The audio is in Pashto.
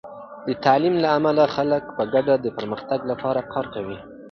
د تعلیم له امله، خلک په ګډه د پرمختګ لپاره کار کوي.